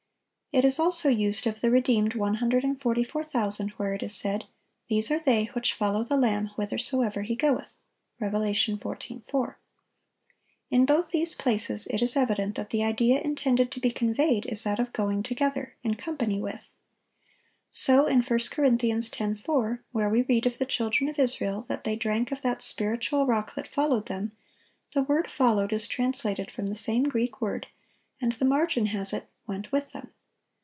It is also used of the redeemed one hundred and forty four thousand, where it is said, "These are they which follow the Lamb whithersoever He goeth." Rev. 14:4. In both these places it is evident that the idea intended to be conveyed is that of going together, in company with. So in 1 Cor. 10:4, where we read of the children of Israel that "they drank of that spiritual Rock that followed them," the word "followed" is translated from the same Greek word, and the margin has it, "went with them."